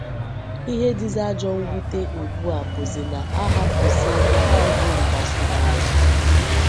Ihe dịzị ajọ mwute ugbu a bụzị na a hụpụziela igwu mbazụ n'ala